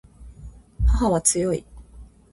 母は強い